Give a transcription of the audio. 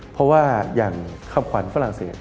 เพราะว่าอย่างคำขวัญฝรั่งเศส